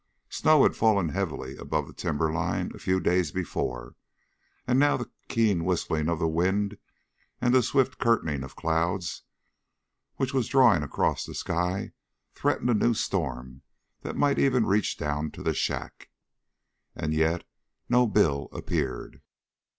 Snow had fallen heavily above the timberline a few days before, and now the keen whistling of the wind and the swift curtaining of clouds, which was drawing across the sky, threatened a new storm that might even reach down to the shack. And yet no Bill appeared.